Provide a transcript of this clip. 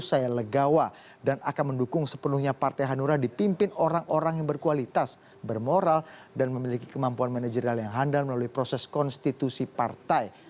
saya legawa dan akan mendukung sepenuhnya partai hanura dipimpin orang orang yang berkualitas bermoral dan memiliki kemampuan manajerial yang handal melalui proses konstitusi partai